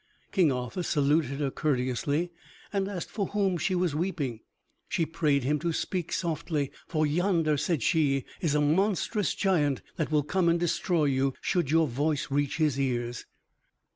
King Arthur saluted her courteously, and asked for whom she was weeping. She prayed him to speak softly, for "Yonder," said she, "is a monstrous giant that will come and destroy you should your voice reach his ears.